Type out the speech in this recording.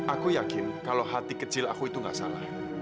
aku yakin kalau hati kecil aku itu gak salah